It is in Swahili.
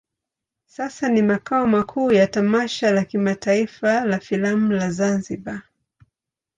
Sasa ni makao makuu ya tamasha la kimataifa la filamu la Zanzibar.